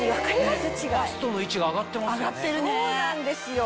バストの位置が上がってますよね。